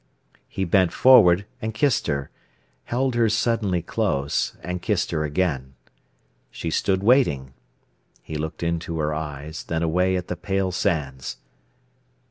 He bent forward and kissed her, held her suddenly close, and kissed her again. She stood waiting. He looked into her eyes, then away at the pale sands.